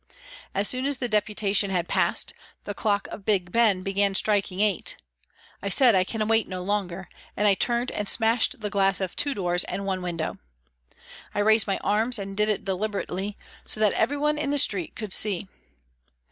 As soon as the Deputation had passed, the clock of Big Ben began striking eight. I said, " I can wait no longer," and I turned and smashed the glass of two doors and one window. I raised my arms and did it deliberately, so that every one in the street could see.